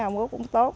ông út cũng tốt